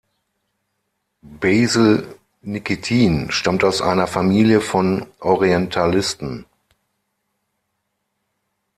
Basil Nikitin stammt aus einer Familie von Orientalisten.